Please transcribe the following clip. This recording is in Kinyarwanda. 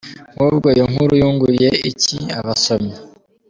Nkubwo iyo nkuru yunguye iki abasomyi?.